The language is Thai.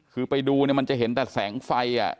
คือไปดูเสียงแต่แสงไฟ